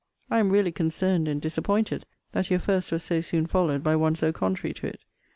I am really concerned and disappointed that your first was so soon followed by one so contrary to it.